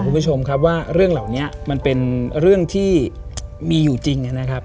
คุณผู้ชมครับว่าเรื่องเหล่านี้มันเป็นเรื่องที่มีอยู่จริงนะครับ